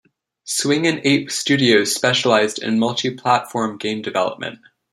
Swingin' Ape Studios specialized in multi-platform game development.